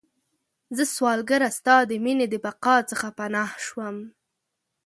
زه سوالګره ستا د میینې، د بقا څخه پناه شوم